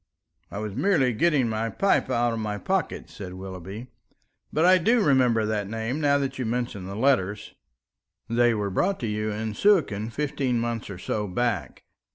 "I was merely getting my pipe out of my pocket," said Willoughby. "But I do remember the name now that you mention the letters." "They were brought to you in Suakin fifteen months or so back.